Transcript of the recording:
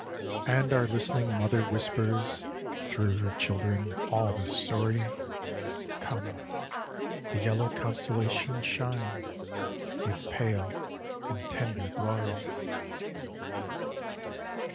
And our listening Mother whispers through her children all the story. Come : the yellow constellations shine with pale and tender glory